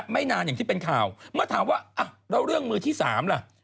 ไม่นานอย่างที่เป็นข่าวเมื่อถามว่าแล้วเรื่องมือที่๓ล่ะ